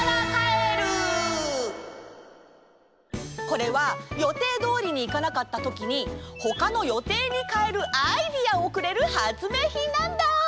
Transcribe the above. これは予定どおりにいかなかったときにほかの予定にかえるアイデアをくれるはつめいひんなんだ！